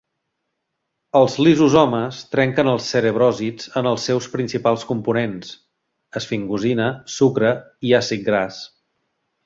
Els lisosomes trenquen els cerebròsids en els seus principals components: esfingosina, sucre i àcid gras.